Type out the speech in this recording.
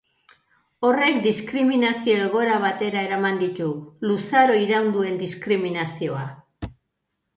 Horrek diskriminazio egoera batera eraman ditu, luzaro iraun duen diskriminazioa.